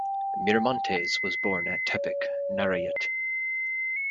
Miramontes was born at Tepic, Nayarit.